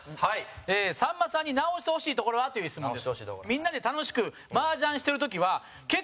さんまさんに直してほしいところは？という質問です。